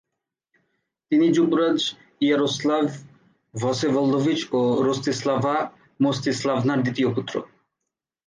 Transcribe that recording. তিনি যুবরাজ Yaroslav Vsevolodovich ও রস্তিস্লাভা মস্তিস্লাভ্নার দ্বিতীয় পুত্র।